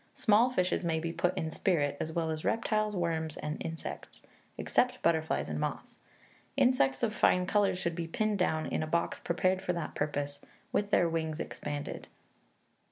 Small fishes may be put in spirit, as well as reptiles, worms, and insects (except butterflies and moths); insects of fine colours should be pinned down in a box prepared for that purpose, with their wings expanded.